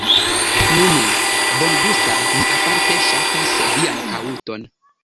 Mmm, bongusta, mi aparte ŝatas vian haŭton.